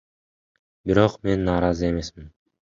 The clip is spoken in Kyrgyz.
Бирок мен нааразы эмесмин.